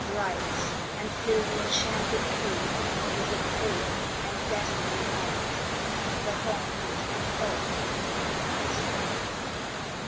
Rise and fill the enchanted cave With a pale and deathly light, The haunted and awful Night!